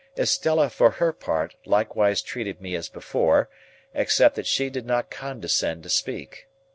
Estella, for her part, likewise treated me as before, except that she did not condescend to speak.